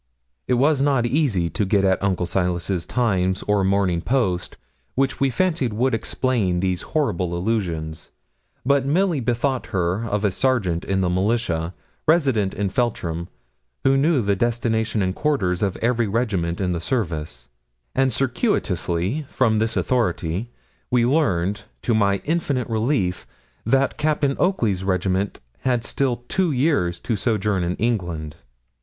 It was not easy to get at Uncle Silas's 'Times' or 'Morning Post,' which we fancied would explain these horrible allusions; but Milly bethought her of a sergeant in the militia, resident in Feltram, who knew the destination and quarters of every regiment in the service; and circuitously, from this authority, we learned, to my infinite relief, that Captain Oakley's regiment had still two years to sojourn in England.